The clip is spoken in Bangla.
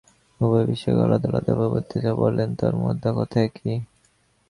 উভয় বিশেষজ্ঞ আলাদা আলাদা প্রবন্ধে যা বলেন, তার মোদ্দা কথা একই।